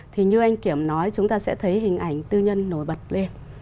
thì như anh kiểm nói chúng ta sẽ thấy hình ảnh tư nhân nổi bật lên